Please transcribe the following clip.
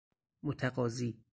متقاضی